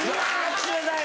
冷たい！